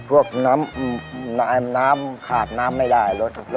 พวกน้ำขาดน้ำไม่ได้รถ